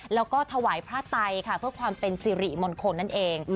แล้วก็ถวายพระไตค่ะเพื่อความเป็นสิริมงคลนั่นเอง